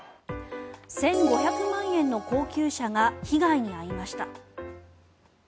１５００万円の高級車が被害に遭いました。